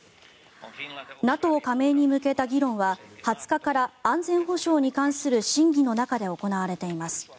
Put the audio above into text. ＮＡＴＯ加盟に向けた議論は２０日から安全保障に関する審議の中で行われています。